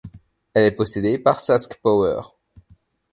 Elle est possédée par SaskPower.